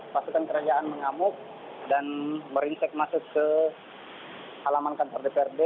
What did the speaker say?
pasukan kerajaan mengamuk dan merinsek masuk ke halaman kantor dprd